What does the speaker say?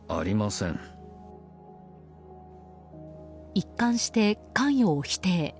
一貫して関与を否定。